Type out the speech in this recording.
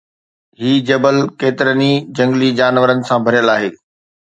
هي جبل ڪيترن ئي جهنگلي جانورن سان ڀريل آهي